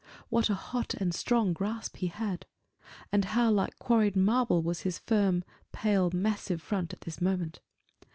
What a hot and strong grasp he had! and how like quarried marble was his pale, firm, massive front at this moment!